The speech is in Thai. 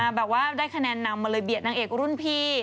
แบบว่าได้คะแนนนำมาเลยเบียดนางเอกรุ่นพี่